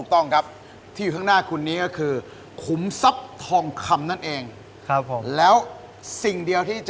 ถูกต้องครับที่อยู่ข้างหน้าคุณนี้ก็คือ